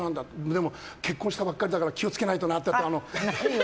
でも結婚したばかりだから気を付けないとなって。